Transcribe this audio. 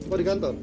oh di kantor